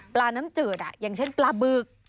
น้ำจืดอย่างเช่นปลาบึก